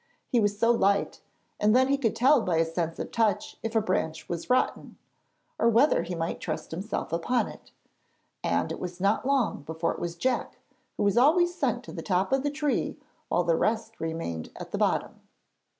He was so light, and then he could tell by his sense of touch if a branch was rotten, or whether he might trust himself upon it, and it was not long before it was Jack who was always sent to the top of the tree while the rest remained at the bottom.